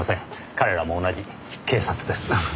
彼らも同じ警察です。